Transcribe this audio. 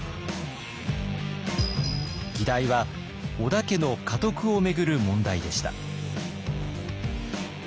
議題は織田家の家督を巡る問題でした。